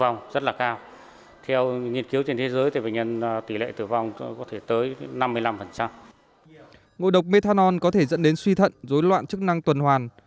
ngôi độc methanol có thể dẫn đến suy thận dối loạn chức năng tuần hoàn